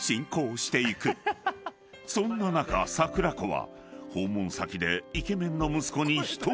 ［そんな中桜子は］